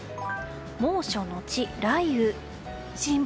猛暑のち雷雨。